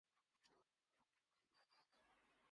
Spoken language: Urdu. احتجاجاً نہیں جاگا مری بیداری پر